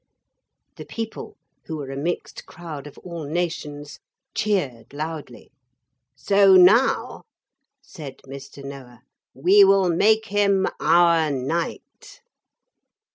The people, who were a mixed crowd of all nations, cheered loudly. 'So now,' said Mr. Noah, 'we will make him our knight.'